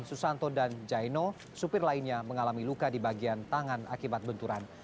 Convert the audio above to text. susanto dan jaino supir lainnya mengalami luka di bagian tangan akibat benturan